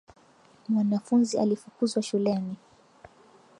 Mwanafunzi alifukuzwa shuleni.